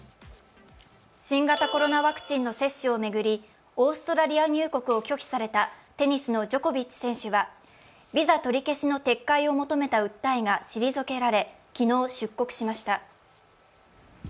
新型コロナワクチンの接種を巡り、オーストラリア入国を拒否されたテニスのジョコビッチ選手はビザ取り消しの撤回を求めた訴えが退けられ昨日、出国しました。